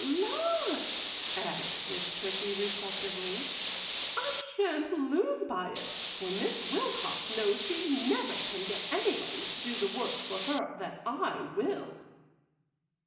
'—'Laws,' added Miss Prissy, reflectively, 'I sha'n't lose by it, for Miss Wilcox knows she never can get anybody to do the work for her that I will.